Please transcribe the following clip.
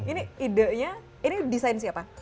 ini idenya ini desain siapa